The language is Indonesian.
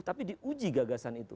tapi diuji gagasan itu